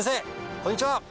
こんにちは。